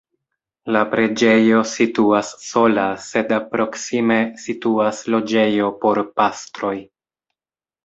La preĝejo situas sola sed proksime situas loĝejo por pastroj.